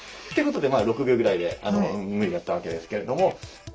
ってことで６秒ぐらいで無理だったわけですけれども。